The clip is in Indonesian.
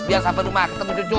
biar sampai rumah ketemu jujur